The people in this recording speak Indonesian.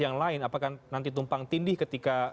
yang lain apakah nanti tumpang tindih ketika